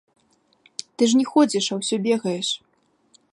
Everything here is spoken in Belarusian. Ты ж не ходзіш, а ўсё бегаеш.